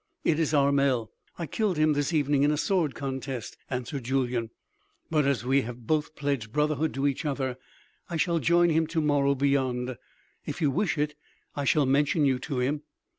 "It is Armel; I killed him this evening in a sword contest," answered Julyan; "but as we have both pledged brotherhood to each other, I shall join him to morrow beyond. If you wish it I shall mention you to him."